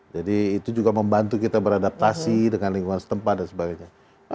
jadi itu juga membantu kita beradaptasi dengan lingkungan setempat dan sebagainya